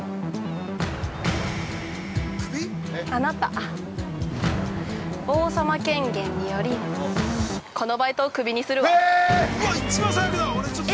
あなた、王様権限によりこのバイトを首にするわ。